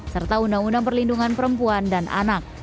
serta undang undang perlindungan perempuan dan anak